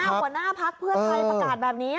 หัวหน้าพักเพื่อไทยประกาศแบบนี้